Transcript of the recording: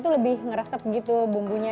itu lebih ngeresep gitu bumbunya